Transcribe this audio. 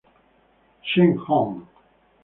Chen Hong.